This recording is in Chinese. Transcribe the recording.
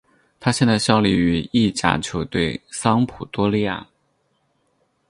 他现在效力于意甲球队桑普多利亚。